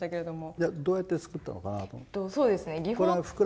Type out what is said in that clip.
いやどうやって作ったのかなと思って。